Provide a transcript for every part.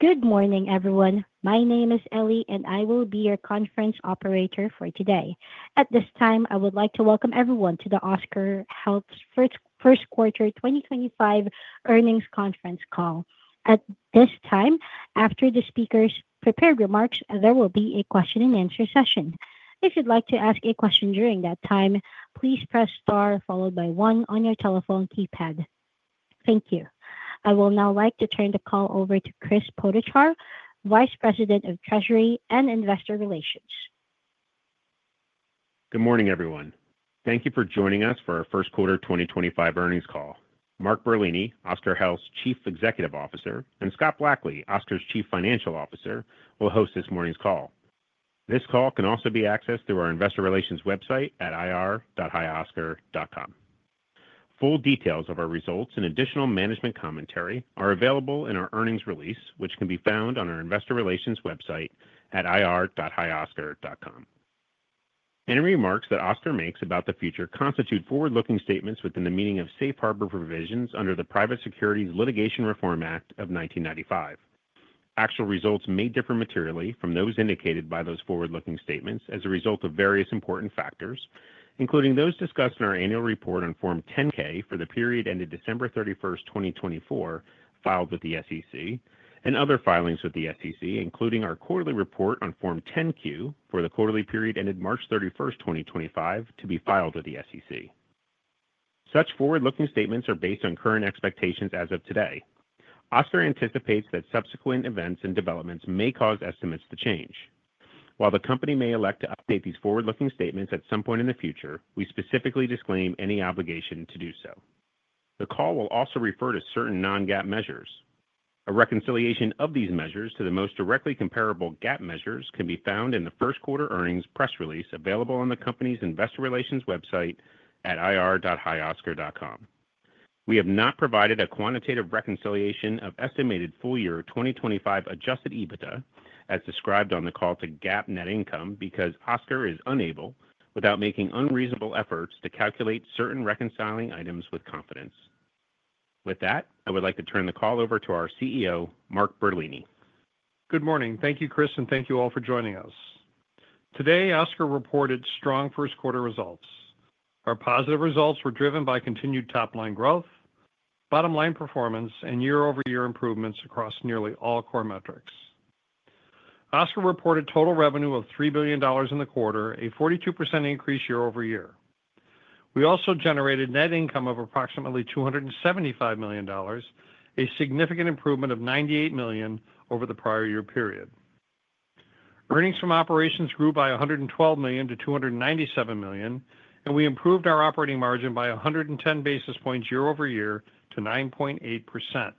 Good morning, everyone. My name is Ellie, and I will be your conference operator for today. At this time, I would like to welcome everyone to the Oscar Health First Quarter 2025 Earnings Conference Call. At this time, after the speakers' prepared remarks, there will be a question-and-answer session. If you'd like to ask a question during that time, please press star followed by one on your telephone keypad. Thank you. I will now like to turn the call over to Chris Potochar, Vice President of Treasury and Investor Relations. Good morning, everyone. Thank you for joining us for our First Quarter 2025 Earnings Call. Mark Bertolini, Oscar Health's Chief Executive Officer, and Scott Blackley, Oscar's Chief Financial Officer, will host this morning's call. This call can also be accessed through our Investor Relations website at ir.highoscar.com. Full details of our results and additional management commentary are available in our earnings release, which can be found on our Investor Relations website at ir.highoscar.com. Any remarks that Oscar makes about the future constitute forward-looking statements within the meaning of safe harbor provisions under the Private Securities Litigation Reform Act of 1995. Actual results may differ materially from those indicated by those forward-looking statements as a result of various important factors, including those discussed in our annual report on Form 10-K for the period ended December 31, 2024, filed with the SEC, and other filings with the SEC, including our quarterly report on Form 10-Q for the quarterly period ended March 31, 2025, to be filed with the SEC. Such forward-looking statements are based on current expectations as of today. Oscar anticipates that subsequent events and developments may cause estimates to change. While the company may elect to update these forward-looking statements at some point in the future, we specifically disclaim any obligation to do so. The call will also refer to certain non-GAAP measures. A reconciliation of these measures to the most directly comparable GAAP measures can be found in the first quarter earnings press release available on the company's investor relations website at ir.highoscar.com. We have not provided a quantitative reconciliation of estimated full-year 2025 adjusted EBITDA as described on the call to GAAP net income because Oscar is unable, without making unreasonable efforts, to calculate certain reconciling items with confidence. With that, I would like to turn the call over to our CEO, Mark Bertolini. Good morning. Thank you, Chris, and thank you all for joining us. Today, Oscar reported strong first-quarter results. Our positive results were driven by continued top-line growth, bottom-line performance, and year-over-year improvements across nearly all core metrics. Oscar reported total revenue of $3 billion in the quarter, a 42% increase year-over-year. We also generated net income of approximately $275 million, a significant improvement of $98 million over the prior year period. Earnings from operations grew by $112 million to $297 million, and we improved our operating margin by 110 basis points year-over-year to 9.8%.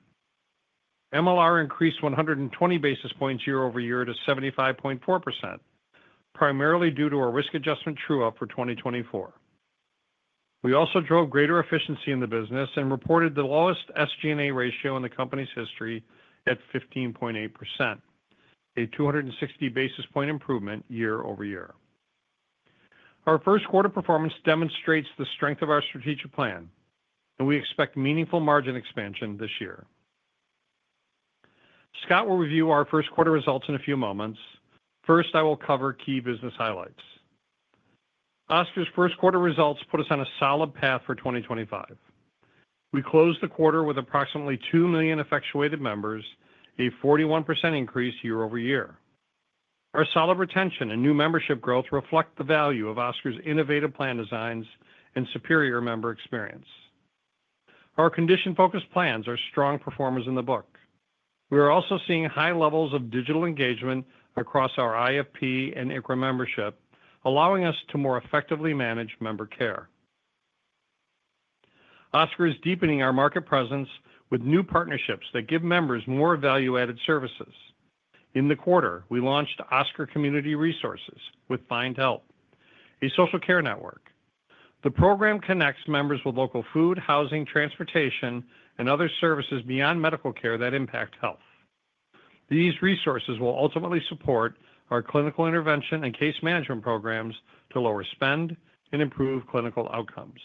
MLR increased 120 basis points year-over-year to 75.4%, primarily due to our risk adjustment true-up for 2024. We also drove greater efficiency in the business and reported the lowest SG&A ratio in the company's history at 15.8%, a 260 basis point improvement year-over-year. Our first-quarter performance demonstrates the strength of our strategic plan, and we expect meaningful margin expansion this year. Scott will review our first-quarter results in a few moments. First, I will cover key business highlights. Oscar's first-quarter results put us on a solid path for 2025. We closed the quarter with approximately 2 million effectuated members, a 41% increase year-over-year. Our solid retention and new membership growth reflect the value of Oscar's innovative plan designs and superior member experience. Our condition-focused plans are strong performers in the book. We are also seeing high levels of digital engagement across our IFP and ICRA membership, allowing us to more effectively manage member care. Oscar is deepening our market presence with new partnerships that give members more value-added services. In the quarter, we launched Oscar Community Resources with FindHelp, a social care network. The program connects members with local food, housing, transportation, and other services beyond medical care that impact health. These resources will ultimately support our clinical intervention and case management programs to lower spend and improve clinical outcomes.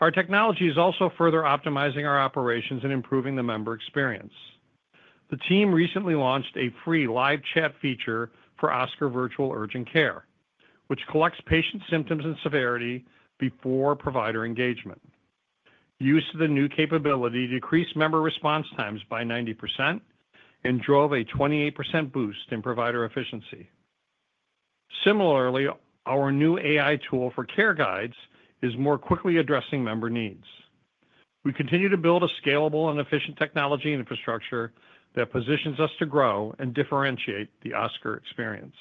Our technology is also further optimizing our operations and improving the member experience. The team recently launched a free live chat feature for Oscar Virtual Urgent Care, which collects patient symptoms and severity before provider engagement. Use of the new capability decreased member response times by 90% and drove a 28% boost in provider efficiency. Similarly, our new AI tool for care guides is more quickly addressing member needs. We continue to build a scalable and efficient technology infrastructure that positions us to grow and differentiate the Oscar experience.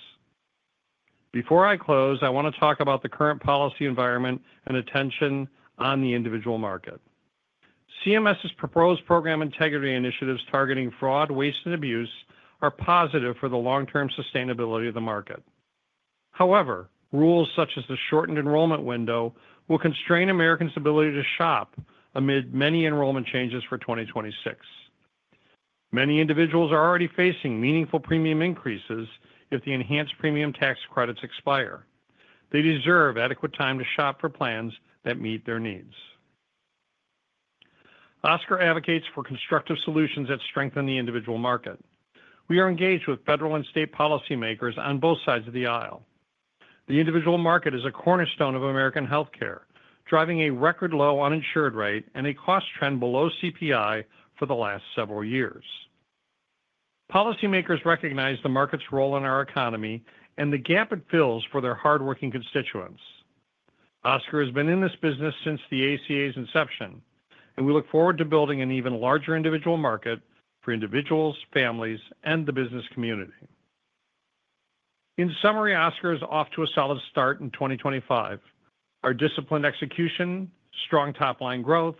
Before I close, I want to talk about the current policy environment and attention on the individual market. CMS's proposed program integrity initiatives targeting fraud, waste, and abuse are positive for the long-term sustainability of the market. However, rules such as the shortened enrollment window will constrain Americans' ability to shop amid many enrollment changes for 2026. Many individuals are already facing meaningful premium increases if the enhanced premium tax credits expire. They deserve adequate time to shop for plans that meet their needs. Oscar advocates for constructive solutions that strengthen the individual market. We are engaged with federal and state policymakers on both sides of the aisle. The individual market is a cornerstone of American healthcare, driving a record low uninsured rate and a cost trend below CPI for the last several years. Policymakers recognize the market's role in our economy and the gap it fills for their hardworking constituents. Oscar has been in this business since the ACA's inception, and we look forward to building an even larger individual market for individuals, families, and the business community. In summary, Oscar is off to a solid start in 2025. Our disciplined execution, strong top-line growth,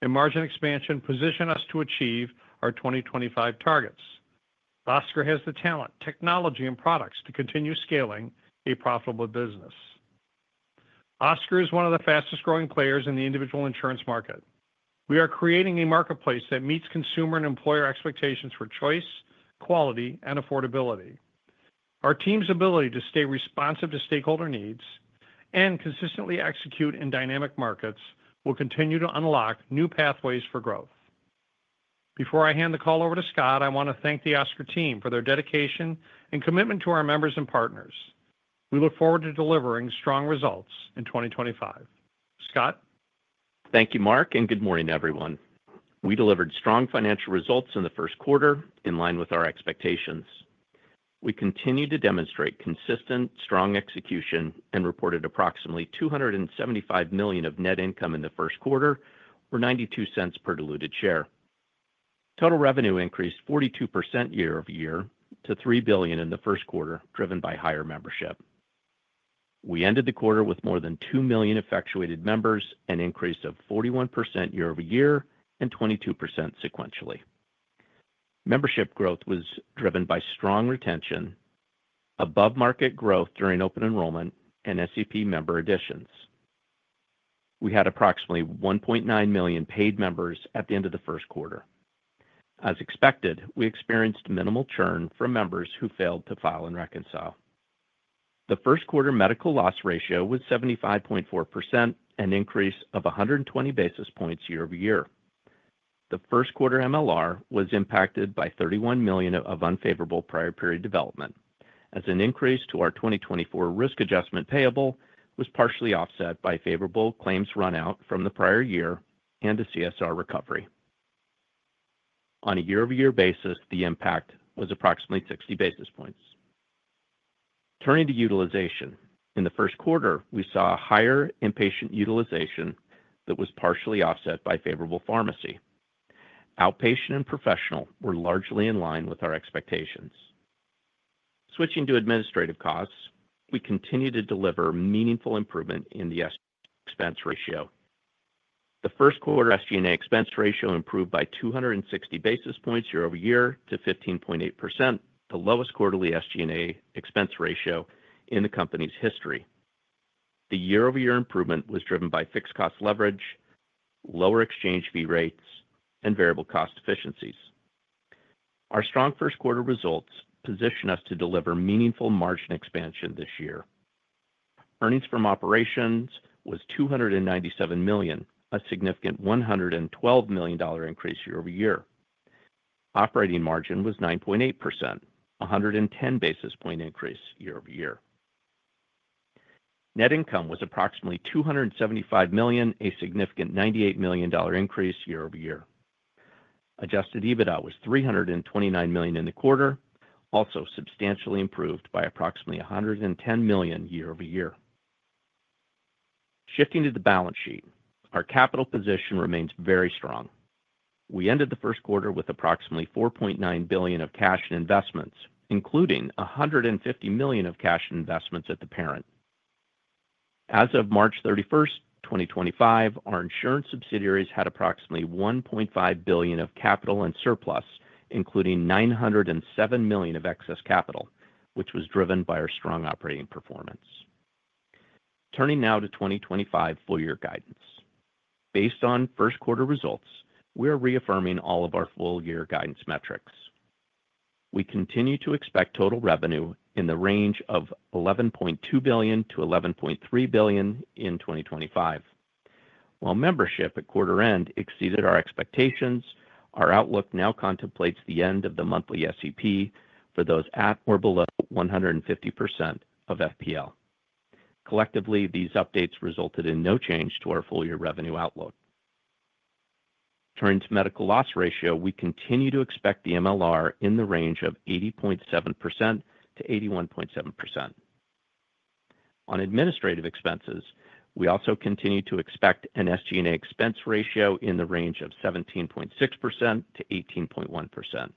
and margin expansion position us to achieve our 2025 targets. Oscar has the talent, technology, and products to continue scaling a profitable business. Oscar is one of the fastest-growing players in the individual insurance market. We are creating a marketplace that meets consumer and employer expectations for choice, quality, and affordability. Our team's ability to stay responsive to stakeholder needs and consistently execute in dynamic markets will continue to unlock new pathways for growth. Before I hand the call over to Scott, I want to thank the Oscar team for their dedication and commitment to our members and partners. We look forward to delivering strong results in 2025. Scott. Thank you, Mark, and good morning, everyone. We delivered strong financial results in the first quarter in line with our expectations. We continue to demonstrate consistent, strong execution and reported approximately $275 million of net income in the first quarter, or $0.92 per diluted share. Total revenue increased 42% year-over-year to $3 billion in the first quarter, driven by higher membership. We ended the quarter with more than two million effectuated members and an increase of 41% year-over-year and 22% sequentially. Membership growth was driven by strong retention, above-market growth during open enrollment, and SEP member additions. We had approximately 1.9 million paid members at the end of the first quarter. As expected, we experienced minimal churn from members who failed to file and reconcile. The first-quarter medical loss ratio was 75.4%, an increase of 120 basis points year-over-year. The first-quarter MLR was impacted by $31 million of unfavorable prior-period development, as an increase to our 2024 risk adjustment payable was partially offset by favorable claims run-out from the prior year and a CSR recovery. On a year-over-year basis, the impact was approximately 60 basis points. Turning to utilization, in the first quarter, we saw higher inpatient utilization that was partially offset by favorable pharmacy. Outpatient and professional were largely in line with our expectations. Switching to administrative costs, we continue to deliver meaningful improvement in the SG&A expense ratio. The first-quarter SG&A expense ratio improved by 260 basis points year-over-year to 15.8%, the lowest quarterly SG&A expense ratio in the company's history. The year-over-year improvement was driven by fixed cost leverage, lower exchange fee rates, and variable cost efficiencies. Our strong first-quarter results position us to deliver meaningful margin expansion this year. Earnings from operations was $297 million, a significant $112 million increase year-over-year. Operating margin was 9.8%, a 110 basis point increase year-over-year. Net income was approximately $275 million, a significant $98 million increase year-over-year. Adjusted EBITDA was $329 million in the quarter, also substantially improved by approximately $110 million year-over-year. Shifting to the balance sheet, our capital position remains very strong. We ended the first quarter with approximately $4.9 billion of cash and investments, including $150 million of cash and investments at the parent. As of March 31, 2025, our insurance subsidiaries had approximately $1.5 billion of capital and surplus, including $907 million of excess capital, which was driven by our strong operating performance. Turning now to 2025 full-year guidance. Based on first-quarter results, we are reaffirming all of our full-year guidance metrics. We continue to expect total revenue in the range of $11.2 billion-$11.3 billion in 2025. While membership at quarter-end exceeded our expectations, our outlook now contemplates the end of the monthly SEP for those at or below 150% of FPL. Collectively, these updates resulted in no change to our full-year revenue outlook. Turning to medical loss ratio, we continue to expect the MLR in the range of 80.7%-81.7%. On administrative expenses, we also continue to expect an SG&A expense ratio in the range of 17.6%-18.1%.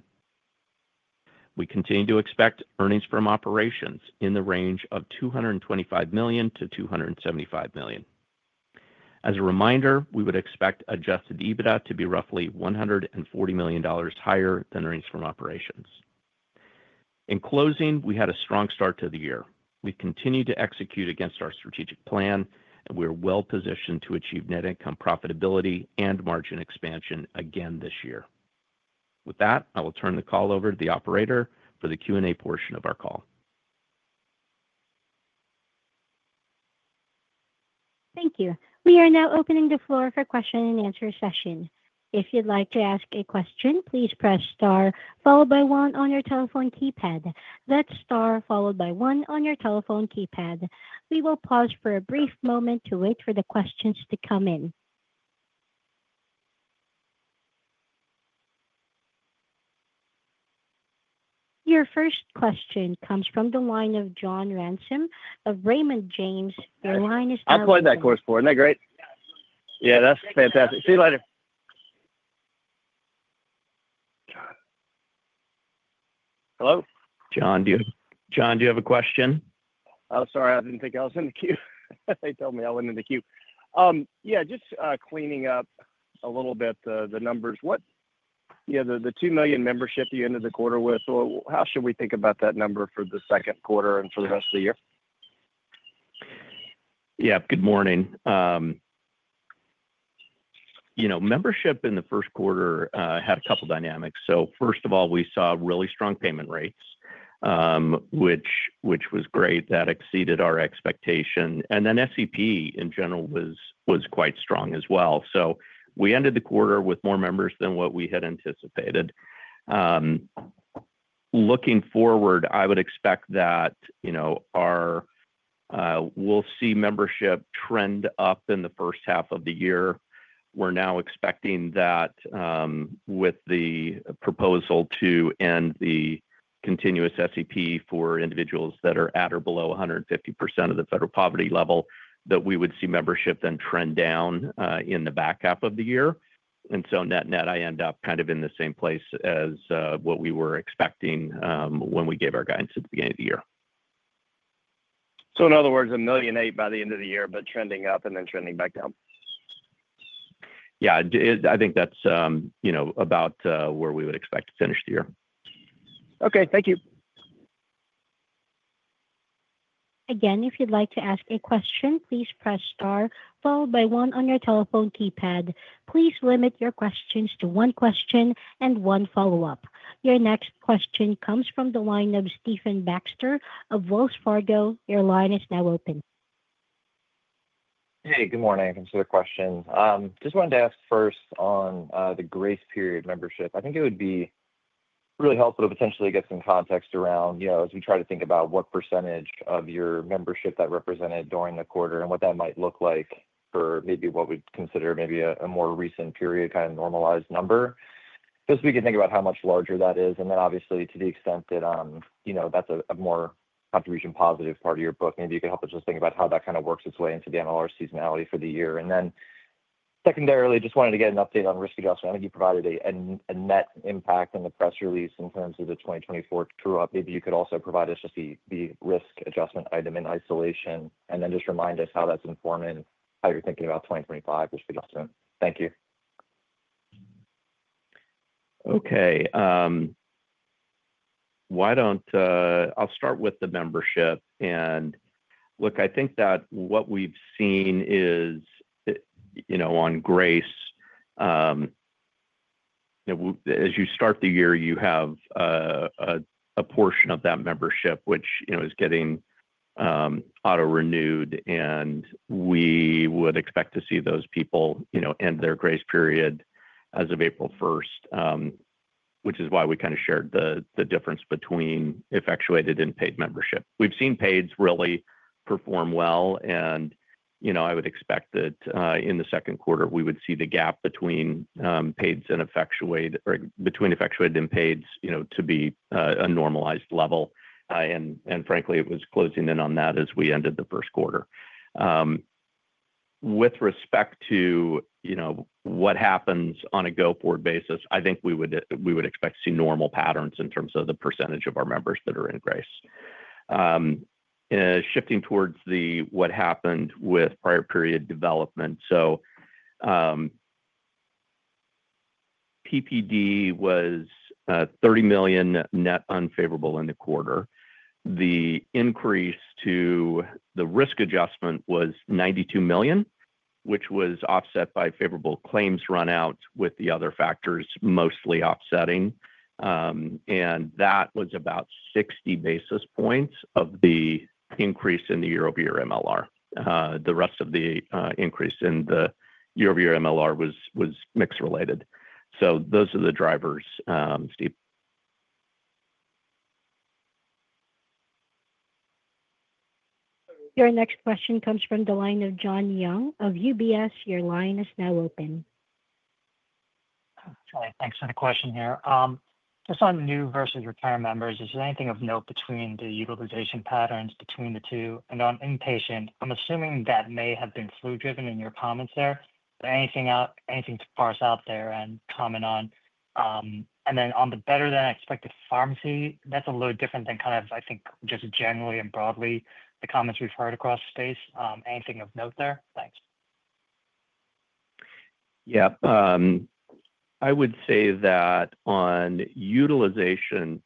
We continue to expect earnings from operations in the range of $225 million-$275 million. As a reminder, we would expect adjusted EBITDA to be roughly $140 million higher than earnings from operations. In closing, we had a strong start to the year. We continue to execute against our strategic plan, and we are well-positioned to achieve net income profitability and margin expansion again this year. With that, I will turn the call over to the operator for the Q&A portion of our call. Thank you. We are now opening the floor for question-and-answer session. If you'd like to ask a question, please press star followed by one on your telephone keypad. That's star followed by one on your telephone keypad. We will pause for a brief moment to wait for the questions to come in. Your first question comes from the line of John Ransom of Raymond James. Your line is now. I'll play that, of course. Isn't that great? Yeah, that's fantastic. See you later. Hello? John, do you have a question? Oh, sorry. I didn't think I was in the queue. They told me I went in the queue. Yeah, just cleaning up a little bit the numbers. Yeah, the $2 million membership you ended the quarter with, how should we think about that number for the second quarter and for the rest of the year? Yeah, good morning. Membership in the first quarter had a couple of dynamics. First of all, we saw really strong payment rates, which was great. That exceeded our expectation. SEP, in general, was quite strong as well. We ended the quarter with more members than what we had anticipated. Looking forward, I would expect that we'll see membership trend up in the first half of the year. We're now expecting that with the proposal to end the continuous SEP for individuals that are at or below 150% of the federal poverty level, we would see membership then trend down in the back half of the year. Net-net, I end up kind of in the same place as what we were expecting when we gave our guidance at the beginning of the year. In other words, a million-eight by the end of the year, but trending up and then trending back down. Yeah, I think that's about where we would expect to finish the year. Okay, thank you. Again, if you'd like to ask a question, please press star followed by one on your telephone keypad. Please limit your questions to one question and one follow-up. Your next question comes from the line of Stephen Baxter of Wells Fargo. Your line is now open. Hey, good morning. I can see the question. Just wanted to ask first on the grace period membership. I think it would be really helpful to potentially get some context around as we try to think about what percentage of your membership that represented during the quarter and what that might look like for maybe what we'd consider maybe a more recent period, kind of normalized number. Just so we can think about how much larger that is. Obviously, to the extent that that's a more contribution-positive part of your book, maybe you could help us just think about how that kind of works its way into the MLR seasonality for the year. Secondarily, just wanted to get an update on risk adjustment. I think you provided a net impact in the press release in terms of the 2024 true-up. Maybe you could also provide us just the risk adjustment item in isolation and then just remind us how that's informing how you're thinking about 2025 risk adjustment. Thank you. Okay. I'll start with the membership. Look, I think that what we've seen is on grace, as you start the year, you have a portion of that membership which is getting auto-renewed. We would expect to see those people end their grace period as of April 1, which is why we kind of shared the difference between effectuated and paid membership. We've seen paids really perform well. I would expect that in the second quarter, we would see the gap between paids and effectuated or between effectuated and paids to be a normalized level. Frankly, it was closing in on that as we ended the first quarter. With respect to what happens on a go-forward basis, I think we would expect to see normal patterns in terms of the percentage of our members that are in grace. Shifting towards what happened with prior-period development. PPD was $30 million net unfavorable in the quarter. The increase to the risk adjustment was $92 million, which was offset by favorable claims run-out with the other factors mostly offsetting. That was about 60 basis points of the increase in the year-over-year MLR. The rest of the increase in the year-over-year MLR was mix-related. Those are the drivers, Steve. Your next question comes from the line of John Young of UBS. Your line is now open. Sorry, thanks for the question here. Just on new versus retired members, is there anything of note between the utilization patterns between the two? On inpatient, I'm assuming that may have been flu-driven in your comments there. Anything to parse out there and comment on? On the better-than-expected pharmacy, that's a little different than kind of, I think, just generally and broadly, the comments we've heard across space. Anything of note there? Thanks. Yeah. I would say that on utilization,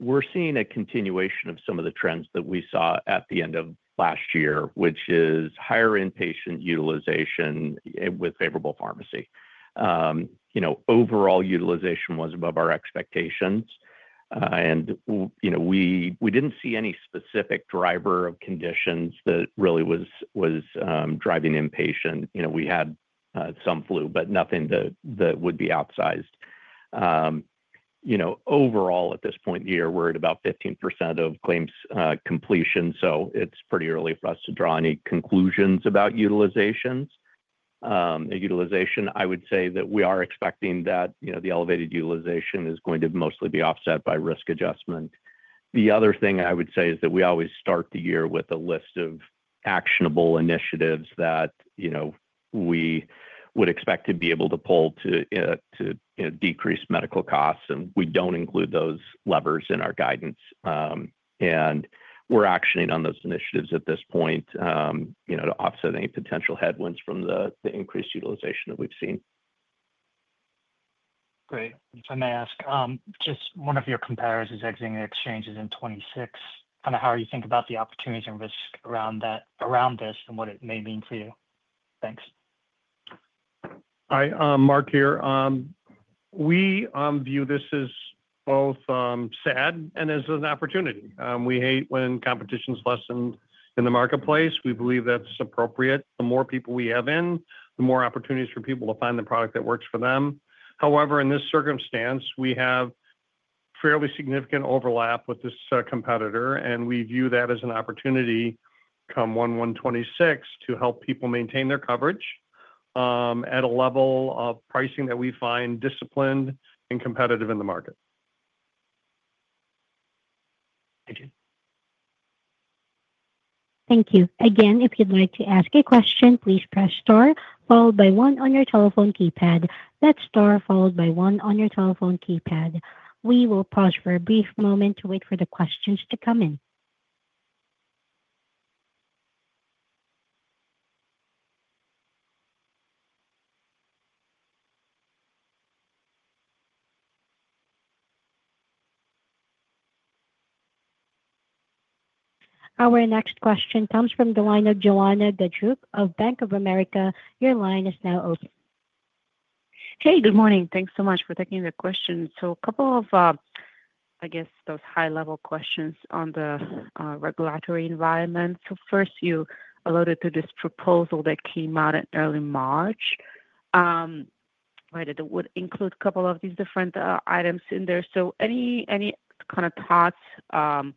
we're seeing a continuation of some of the trends that we saw at the end of last year, which is higher inpatient utilization with favorable pharmacy. Overall, utilization was above our expectations. We didn't see any specific driver of conditions that really was driving inpatient. We had some flu, but nothing that would be outsized. Overall, at this point in the year, we're at about 15% of claims completion. It's pretty early for us to draw any conclusions about utilizations. Utilization, I would say that we are expecting that the elevated utilization is going to mostly be offset by risk adjustment. The other thing I would say is that we always start the year with a list of actionable initiatives that we would expect to be able to pull to decrease medical costs. We do not include those levers in our guidance. We are actioning on those initiatives at this point to offset any potential headwinds from the increased utilization that we have seen. Great. If I may ask, just one of your comparators is exiting exchanges in 2026. Kind of how you think about the opportunities and risk around this and what it may mean for you. Thanks. Hi, Mark here. We view this as both sad and as an opportunity. We hate when competition's lessened in the marketplace. We believe that's appropriate. The more people we have in, the more opportunities for people to find the product that works for them. However, in this circumstance, we have fairly significant overlap with this competitor. We view that as an opportunity come one, one 26 to help people maintain their coverage at a level of pricing that we find disciplined and competitive in the market. Thank you. Thank you. Again, if you'd like to ask a question, please press star followed by one on your telephone keypad. That's star followed by one on your telephone keypad. We will pause for a brief moment to wait for the questions to come in. Our next question comes from the line of Joanna DeDroop of Bank of America. Your line is now open. Hey, good morning. Thanks so much for taking the question. A couple of, I guess, those high-level questions on the regulatory environment. First, you alluded to this proposal that came out in early March, right? It would include a couple of these different items in there. Any kind of thoughts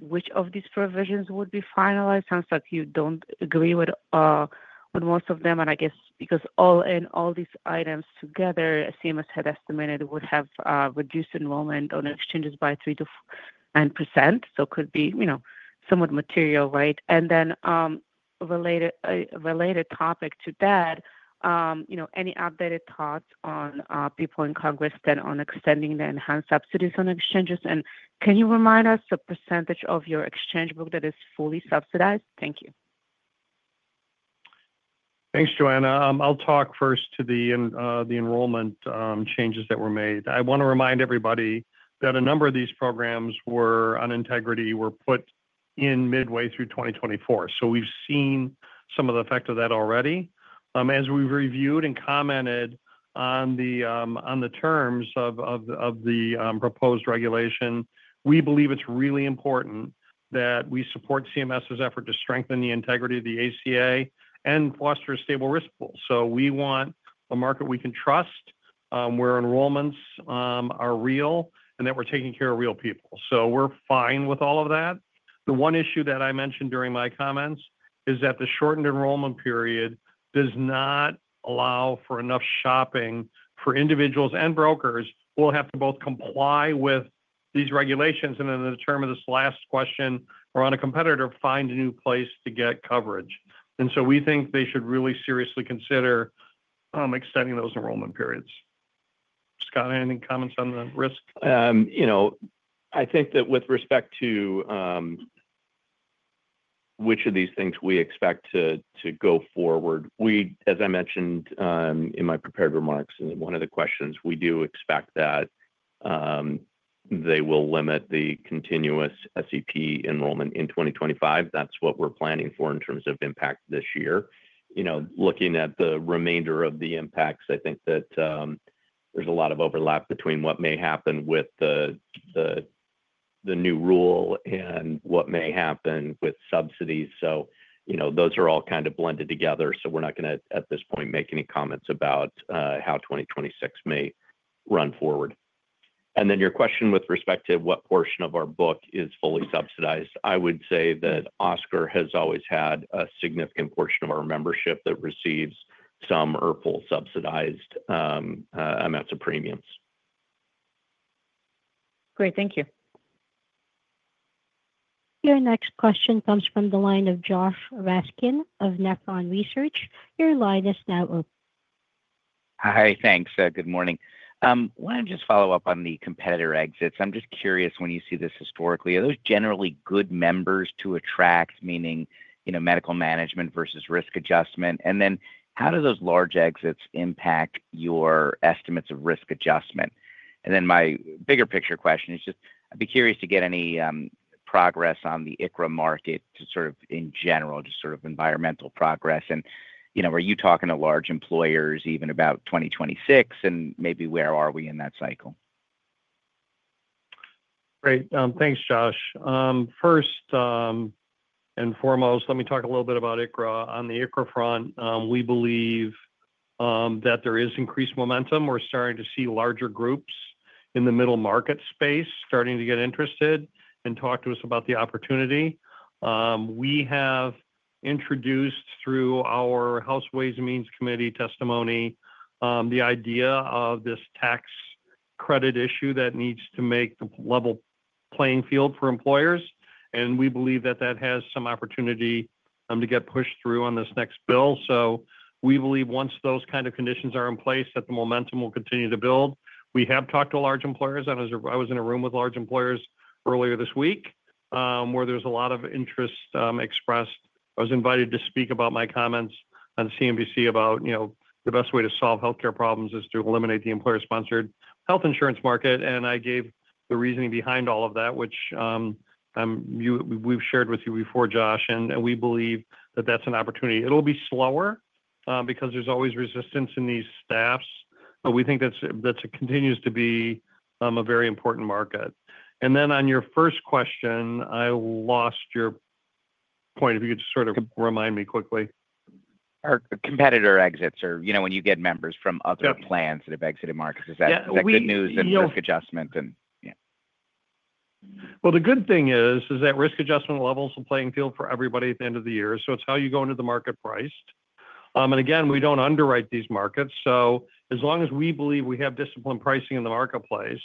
which of these provisions would be finalized? Sounds like you do not agree with most of them. I guess because all in all these items together, CMS had estimated would have reduced enrollment on exchanges by 3-9%. It could be somewhat material, right? Related topic to that, any updated thoughts on people in Congress that are extending the enhanced subsidies on exchanges? Can you remind us the percentage of your exchange book that is fully subsidized? Thank you. Thanks, Joanna. I'll talk first to the enrollment changes that were made. I want to remind everybody that a number of these programs on integrity were put in midway through 2024. We've seen some of the effect of that already. As we've reviewed and commented on the terms of the proposed regulation, we believe it's really important that we support CMS's effort to strengthen the integrity of the ACA and foster a stable risk pool. We want a market we can trust where enrollments are real and that we're taking care of real people. We're fine with all of that. The one issue that I mentioned during my comments is that the shortened enrollment period does not allow for enough shopping for individuals and brokers who will have to both comply with these regulations and then, to the term of this last question, or on a competitor, find a new place to get coverage. We think they should really seriously consider extending those enrollment periods. Scott, any comments on the risk? I think that with respect to which of these things we expect to go forward, as I mentioned in my prepared remarks in one of the questions, we do expect that they will limit the continuous SEP enrollment in 2025. That is what we are planning for in terms of impact this year. Looking at the remainder of the impacts, I think that there is a lot of overlap between what may happen with the new rule and what may happen with subsidies. Those are all kind of blended together. We are not going to, at this point, make any comments about how 2026 may run forward. Your question with respect to what portion of our book is fully subsidized, I would say that Oscar has always had a significant portion of our membership that receives some or full subsidized amounts of premiums. Great. Thank you. Your next question comes from the line of Josh Raskin of Nephron Research. Your line is now open. Hi, thanks. Good morning. I want to just follow up on the competitor exits. I'm just curious, when you see this historically, are those generally good members to attract, meaning medical management versus risk adjustment? How do those large exits impact your estimates of risk adjustment? My bigger picture question is just I'd be curious to get any progress on the ICRA market, sort of in general, just sort of environmental progress. Are you talking to large employers even about 2026? Maybe where are we in that cycle? Great. Thanks, Josh. First and foremost, let me talk a little bit about ICRA. On the ICRA front, we believe that there is increased momentum. We're starting to see larger groups in the middle market space starting to get interested and talk to us about the opportunity. We have introduced through our House Ways and Means Committee testimony the idea of this tax credit issue that needs to make the level playing field for employers. We believe that that has some opportunity to get pushed through on this next bill. We believe once those kind of conditions are in place, that the momentum will continue to build. We have talked to large employers. I was in a room with large employers earlier this week where there was a lot of interest expressed. I was invited to speak about my comments on CNBC about the best way to solve healthcare problems is to eliminate the employer-sponsored health insurance market. I gave the reasoning behind all of that, which we've shared with you before, Josh. We believe that that's an opportunity. It'll be slower because there's always resistance in these staffs. We think that continues to be a very important market. On your first question, I lost your point. If you could just sort of remind me quickly. Are competitor exits or when you get members from other plans that have exited markets? Is that good news in risk adjustment? The good thing is that risk adjustment levels will play in field for everybody at the end of the year. It is how you go into the market priced. Again, we do not underwrite these markets. As long as we believe we have disciplined pricing in the marketplace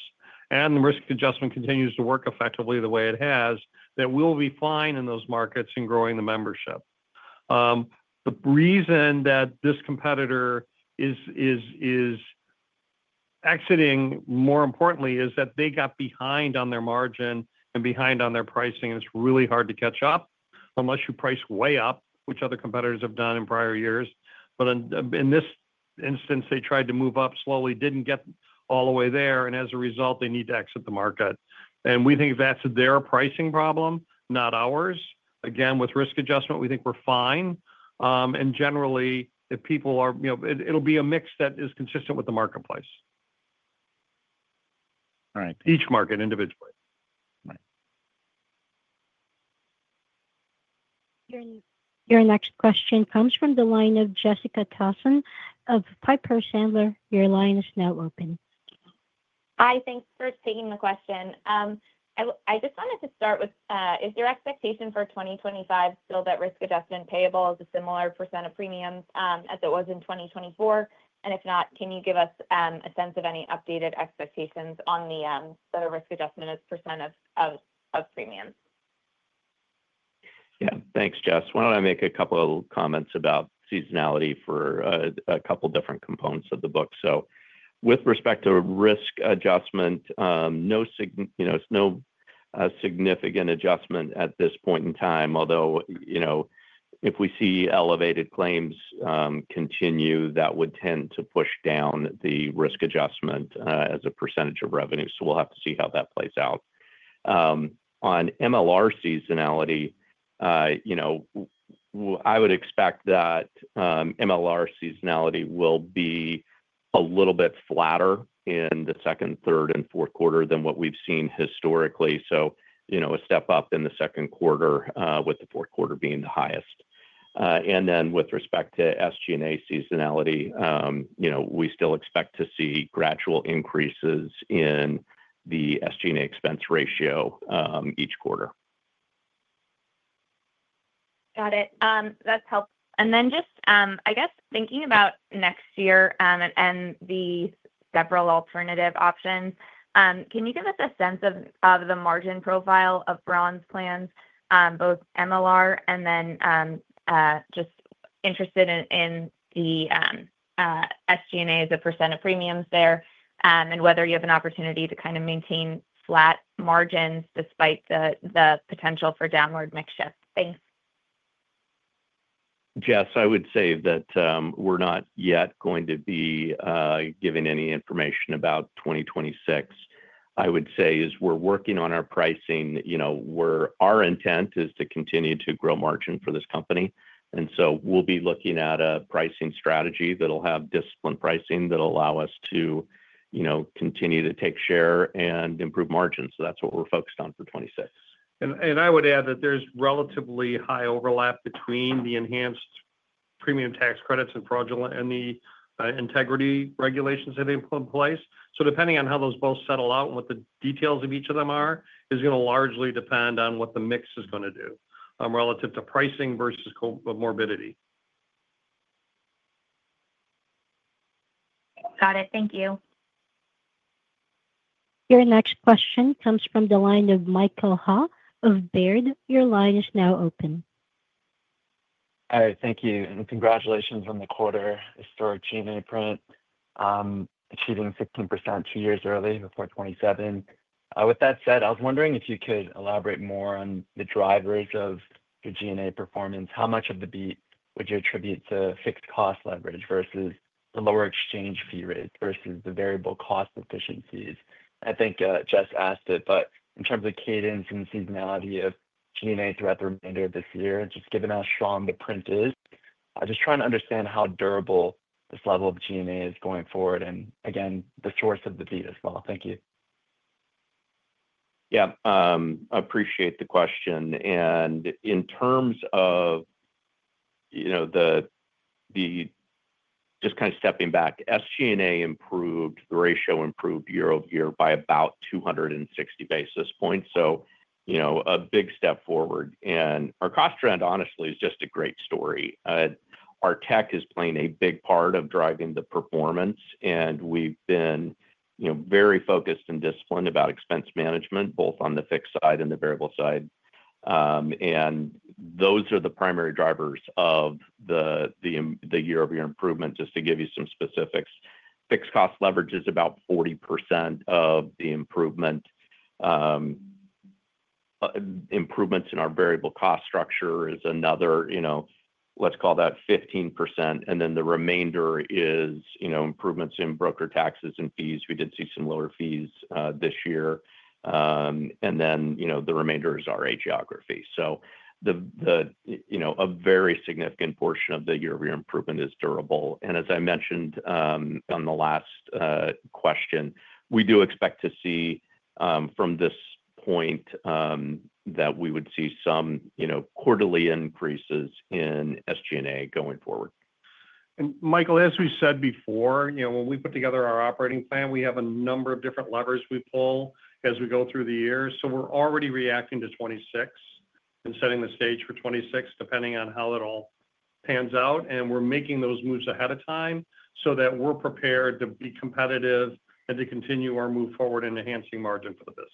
and the risk adjustment continues to work effectively the way it has, we will be fine in those markets and growing the membership. The reason that this competitor is exiting, more importantly, is that they got behind on their margin and behind on their pricing. It is really hard to catch up unless you price way up, which other competitors have done in prior years. In this instance, they tried to move up slowly, did not get all the way there. As a result, they need to exit the market. We think that is their pricing problem, not ours. Again, with risk adjustment, we think we're fine. Generally, if people are, it'll be a mix that is consistent with the marketplace. All right. Each market individually. Your next question comes from the line of Jessica Tassan of Piper Sandler. Your line is now open. Hi. Thanks for taking the question. I just wanted to start with, is your expectation for 2025 still that risk adjustment payable is a similar % of premiums as it was in 2024? If not, can you give us a sense of any updated expectations on the risk adjustment as % of premiums? Yeah. Thanks, Jess. Why don't I make a couple of comments about seasonality for a couple of different components of the book? With respect to risk adjustment, no significant adjustment at this point in time. Although if we see elevated claims continue, that would tend to push down the risk adjustment as a percentage of revenue. We will have to see how that plays out. On MLR seasonality, I would expect that MLR seasonality will be a little bit flatter in the second, third, and fourth quarter than what we've seen historically. A step up in the second quarter with the fourth quarter being the highest. With respect to SG&A seasonality, we still expect to see gradual increases in the SG&A expense ratio each quarter. Got it. That's helpful. Just, I guess, thinking about next year and the several alternative options, can you give us a sense of the margin profile of Bronze Plans, both MLR and then just interested in the SG&A as a percent of premiums there and whether you have an opportunity to kind of maintain flat margins despite the potential for downward makeshift? Thanks. Jess, I would say that we're not yet going to be giving any information about 2026. I would say as we're working on our pricing, our intent is to continue to grow margin for this company. I would say we'll be looking at a pricing strategy that'll have disciplined pricing that'll allow us to continue to take share and improve margins. That's what we're focused on for 2026. I would add that there's relatively high overlap between the enhanced premium tax credits and the integrity regulations that have been put in place. Depending on how those both settle out and what the details of each of them are, it's going to largely depend on what the mix is going to do relative to pricing versus morbidity. Got it. Thank you. Your next question comes from the line of Michael Ha of Baird. Your line is now open. Hi. Thank you. Congratulations on the quarter historic G&A print, achieving 16% two years early before 2027. With that said, I was wondering if you could elaborate more on the drivers of your G&A performance. How much of the beat would you attribute to fixed cost leverage versus the lower exchange fee rate versus the variable cost efficiencies? I think Jess asked it, but in terms of cadence and seasonality of G&A throughout the remainder of this year, just given how strong the print is, I'm just trying to understand how durable this level of G&A is going forward and, again, the source of the beat as well. Thank you. Yeah. I appreciate the question. In terms of just kind of stepping back, SG&A improved. The ratio improved year-over-year by about 260 basis points. A big step forward. Our cost trend, honestly, is just a great story. Our tech is playing a big part of driving the performance. We've been very focused and disciplined about expense management, both on the fixed side and the variable side. Those are the primary drivers of the year-over-year improvement. Just to give you some specifics, fixed cost leverage is about 40% of the improvement. Improvements in our variable cost structure is another, let's call that 15%. The remainder is improvements in broker taxes and fees. We did see some lower fees this year. The remainder is our A geography. A very significant portion of the year-over-year improvement is durable. As I mentioned on the last question, we do expect to see from this point that we would see some quarterly increases in SG&A going forward. Michael, as we said before, when we put together our operating plan, we have a number of different levers we pull as we go through the year. We are already reacting to 2026 and setting the stage for 2026, depending on how it all pans out. We are making those moves ahead of time so that we are prepared to be competitive and to continue our move forward in enhancing margin for the business.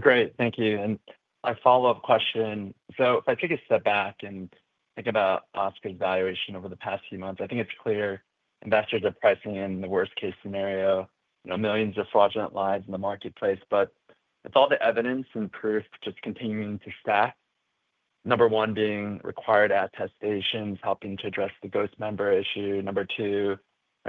Great. Thank you. My follow-up question. If I take a step back and think about Oscar's evaluation over the past few months, I think it's clear investors are pricing in the worst-case scenario, millions of fraudulent lives in the marketplace. With all the evidence and proof just continuing to stack, number one being required attestations helping to address the ghost member issue. Number two,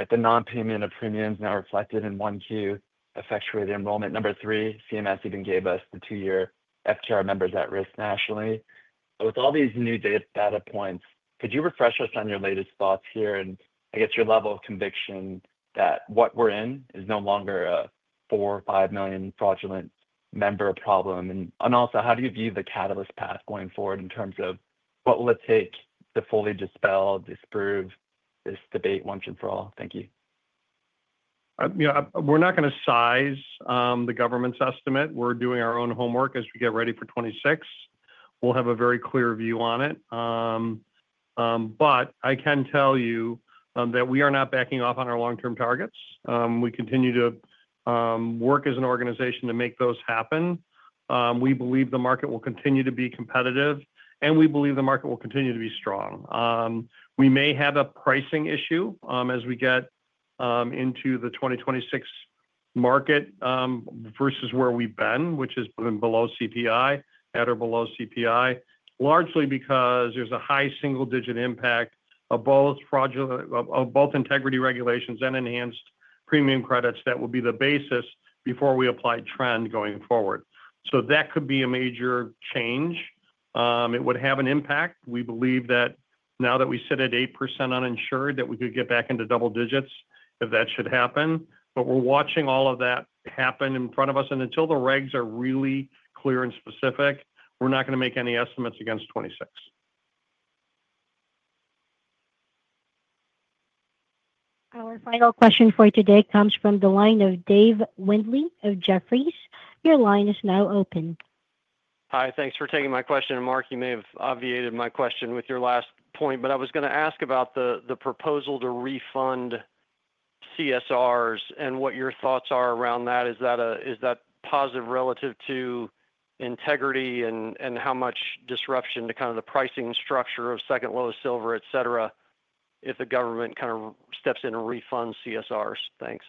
the non-payment of premiums now reflected in Q1 effects for the enrollment. Number three, CMS even gave us the two-year FTR members at risk nationally. With all these new data points, could you refresh us on your latest thoughts here and, I guess, your level of conviction that what we're in is no longer a four or five million fraudulent member problem? How do you view the catalyst path going forward in terms of what will it take to fully dispel, disprove this debate once and for all? Thank you. We're not going to size the government's estimate. We're doing our own homework as we get ready for 2026. We'll have a very clear view on it. I can tell you that we are not backing off on our long-term targets. We continue to work as an organization to make those happen. We believe the market will continue to be competitive, and we believe the market will continue to be strong. We may have a pricing issue as we get into the 2026 market versus where we've been, which has been below CPI, at or below CPI, largely because there's a high single-digit impact of both integrity regulations and enhanced premium credits that will be the basis before we apply trend going forward. That could be a major change. It would have an impact. We believe that now that we sit at 8% uninsured, we could get back into double digits if that should happen. We are watching all of that happen in front of us. Until the regs are really clear and specific, we are not going to make any estimates against 2026. Our final question for today comes from the line of Dave Windley of Jefferies. Your line is now open. Hi. Thanks for taking my question. Mark, you may have obviated my question with your last point. I was going to ask about the proposal to refund CSRs and what your thoughts are around that. Is that positive relative to integrity and how much disruption to kind of the pricing structure of second lowest silver, etc., if the government kind of steps in and refunds CSRs? Thanks.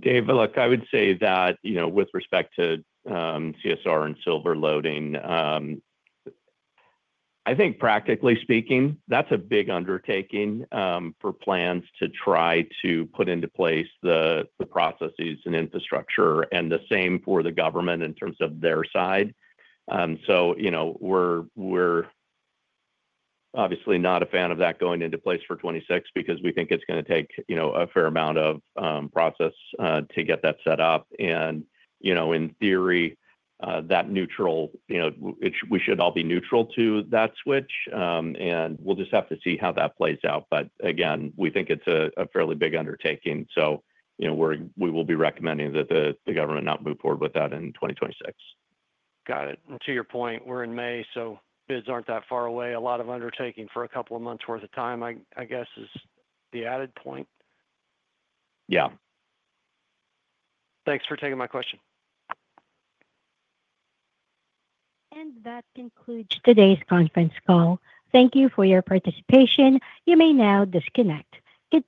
Dave, look, I would say that with respect to CSR and silver loading, I think practically speaking, that's a big undertaking for plans to try to put into place the processes and infrastructure and the same for the government in terms of their side. So we're obviously not a fan of that going into place for 2026 because we think it's going to take a fair amount of process to get that set up. And in theory, that neutral, we should all be neutral to that switch. We'll just have to see how that plays out. Again, we think it's a fairly big undertaking. We will be recommending that the government not move forward with that in 2026. Got it. To your point, we're in May, so bids aren't that far away. A lot of undertaking for a couple of months' worth of time, I guess, is the added point. Yeah. Thanks for taking my question. That concludes today's conference call. Thank you for your participation. You may now disconnect. Good.